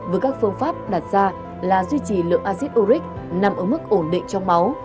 với các phương pháp đặt ra là duy trì lượng acid uric nằm ở mức ổn định trong máu